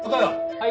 はい。